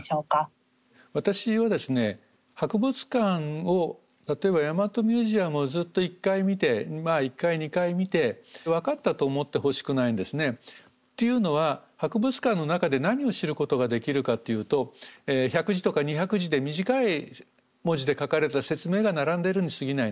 私はですね博物館を例えば大和ミュージアムをずっと１回見て１回２回見て分かったと思ってほしくないんですね。というのは博物館の中で何を知ることができるかっていうと１００字とか２００字で短い文字で書かれた説明が並んでいるにすぎないんですね。